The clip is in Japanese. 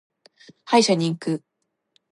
歯医者に行く。